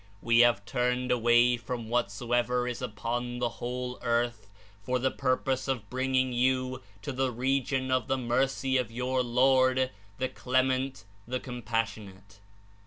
We have turned away from whatsoever is upon the whole earth, for 114 the purpose of bringing you to the region of the Mercy of your Lord, the Clement, the Compassionate."